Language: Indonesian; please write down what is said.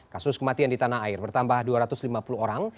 kasus kematian di tanah air bertambah dua ratus lima puluh orang